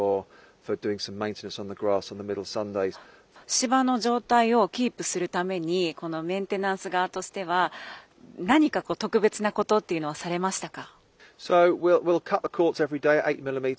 芝の状態をキープするためにこのメンテナンス側としては何か特別なことというのはされましたか？